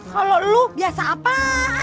kalau lo biasa apaan